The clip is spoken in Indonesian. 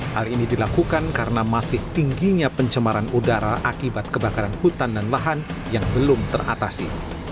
hal ini dilakukan karena masih tingginya pencemaran udara akibat kebakaran hutan dan lahan yang belum teratasi